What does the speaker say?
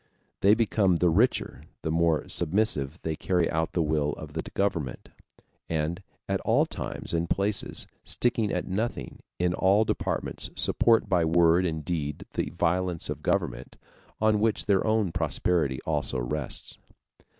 They become the richer the more submissively they carry out the will of the government; and at all times and places, sticking at nothing, in all departments support by word and deed the violence of government, on which their own prosperity also rests.